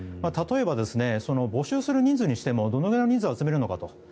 例えば募集する人数にしてもどのくらいの人数を集めるのかと。